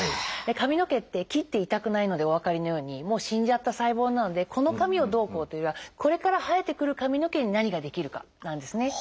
髪の毛って切って痛くないのでお分かりのようにもう死んじゃった細胞なのでこの髪をどうこうというよりはこれから生えてくる髪の毛に何ができるかなんですね。